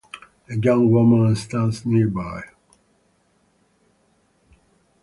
A young woman stands nearby.